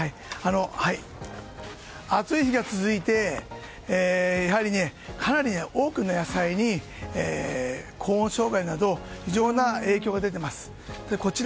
暑い日が続いてやはり、かなり多くの野菜に高温障害など非常に影響が出ています。